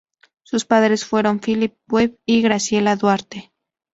Sus padres fueron Philip Webb y Graciela Duarte.